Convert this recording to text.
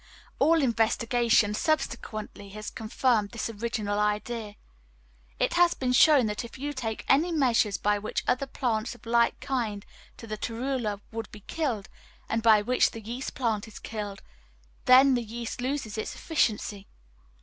All investigation subsequently has confirmed this original idea. It has been shown that if you take any measures by which other plants of like kind to the torula would be killed, and by which the yeast plant is killed, then the yeast loses its efficiency.